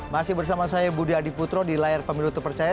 masih bersama saya budi adiputro di layar pemilu terpercaya